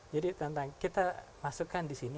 jadi kita masukkan di sini